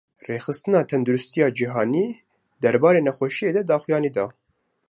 Rêxistina Tendurustiya Cîhanî, derbarê nexweşiyê de daxuyanî da